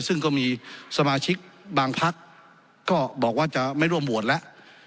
ซึ่งก็มีสมาชิกบางพักก็บอกว่าจะไม่ร่วมโหวตแล้ว